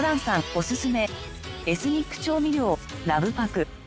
オススメエスニック調味料ラブパク。